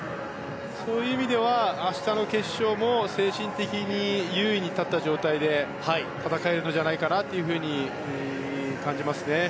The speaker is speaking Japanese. そういう意味では明日の決勝も精神的に優位に立った状態で戦えるんじゃないかなと感じますね。